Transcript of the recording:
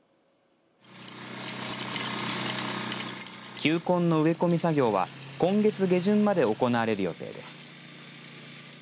球根の植え込み作業は今月下旬まで行われる予定です。